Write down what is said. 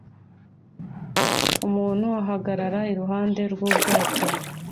Umuntu ahagarara iruhande rw'ubwato